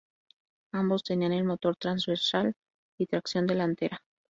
Ambos tenían el motor transversal y tracción delantera.